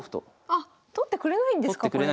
あっ取ってくれないんですかこれ。